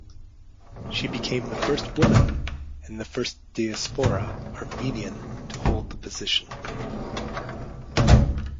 She became the first woman and the first diaspora Armenian to hold the position.